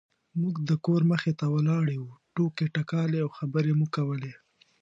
موږ د کور مخې ته ولاړې وو ټوکې ټکالې او خبرې مو کولې.